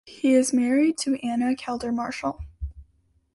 He is married to Anna Calder-Marshall.